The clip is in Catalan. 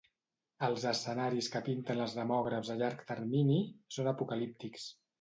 Els escenaris que pinten els demògrafs a llarg termini són apocalíptics.